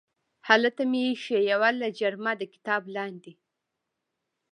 هلته مې ایښې یوه لجرمه د کتاب لاندې